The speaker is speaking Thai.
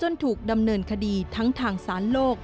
ถูกดำเนินคดีทั้งทางสารโลก